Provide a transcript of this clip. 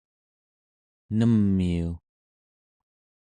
nemiu